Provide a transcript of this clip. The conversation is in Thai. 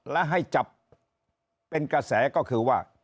และให้จับเป็นกระแสก็คือว่า